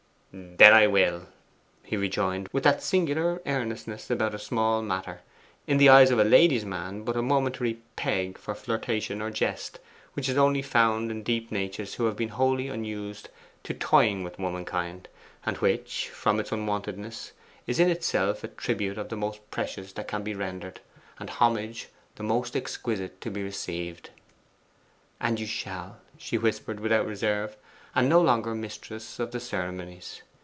'Then I will!' he rejoined, with that singular earnestness about a small matter in the eyes of a ladies' man but a momentary peg for flirtation or jest which is only found in deep natures who have been wholly unused to toying with womankind, and which, from its unwontedness, is in itself a tribute the most precious that can be rendered, and homage the most exquisite to be received. 'And you shall,' she whispered, without reserve, and no longer mistress of the ceremonies.